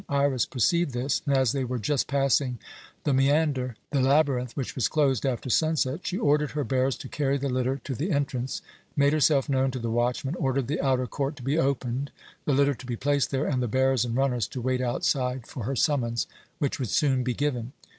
Iris perceived this, and as they were just passing the Mæander, the labyrinth, which was closed after sunset, she ordered her bearers to carry the litter to the entrance, made herself known to the watchman, ordered the outer court to be opened, the litter to be placed there, and the bearers and runners to wait outside for her summons, which would soon be given.